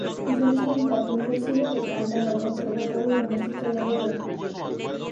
Asimismo impartió un cursillo de cante en el Conservatorio de Música de Róterdam.